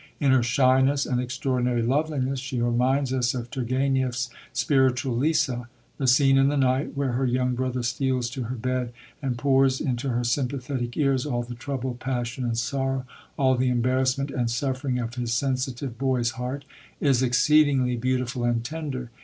In her shyness and extraordinary loveliness she reminds us of Turgenev's spiritual Lisa. The scene in the night, where her young brother steals to her bed and pours into her sympathetic ears all the troubled passion and sorrow, all the embarrassment and suffering of his sensitive boy's heart, is exceedingly beautiful and tender.